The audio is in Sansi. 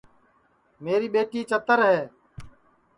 میری ٻیٹی چتر ہے